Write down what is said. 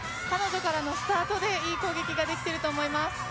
彼女からのスタートでいい攻撃ができていると思います。